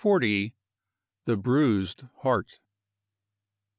THE BRUISED HEART.